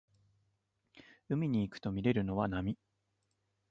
海に行くとみれるのは波